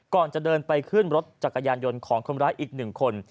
ก่อนจะเดินไปขึ้นรถจักรยานยนต์ของคนร้ายอีก๑คน